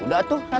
yaudah atuh sana